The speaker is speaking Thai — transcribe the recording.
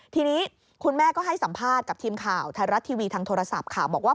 ทีนี้คุณแม่ก็ให้สัมภาษณ์กับทีมข่าวไทยรัฐทีวีทางโทรศัพท์ค่ะบอกว่า